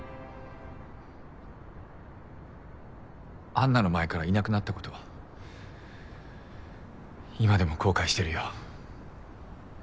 安奈の前からいなくなったこと今でも後悔してるよ。